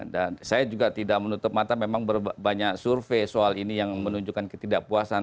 dan saya juga tidak menutup mata memang banyak survei soal ini yang menunjukkan ketidakpuasan